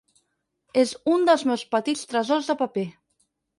És un dels meus petits tresors de paper.